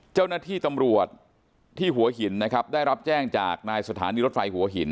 เจ้าหน้าที่ตำรวจที่หัวหินนะครับได้รับแจ้งจากนายสถานีรถไฟหัวหิน